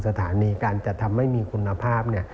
สถานีการจะทำให้มีคุณภาพ